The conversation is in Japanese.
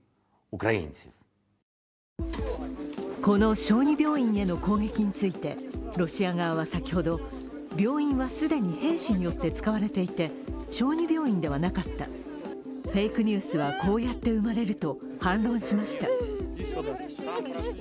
この小児病院への攻撃についてロシア側は先ほど病院は既に兵士によって使われていて小児病院ではなかった、フェイクニュースはこうやって生まれると反論しました。